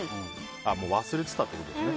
もう忘れてたってことですね。